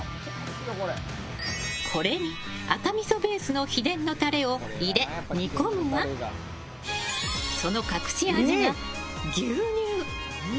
これに赤みそベースの秘伝のタレを入れ煮込むが、その隠し味が牛乳。